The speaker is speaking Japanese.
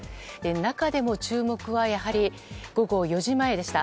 中でも注目はやはり午後４時前でした。